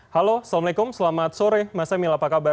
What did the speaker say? halo assalamualaikum selamat sore mas emil apa kabar